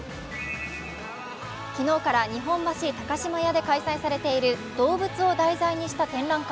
昨日から日本橋高島屋で開催されている動物を題材にした展覧会